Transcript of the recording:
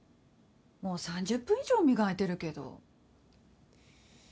もう３０分以上磨いてるけど。